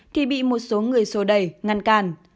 thì bị một số người sô đẩy ngăn cản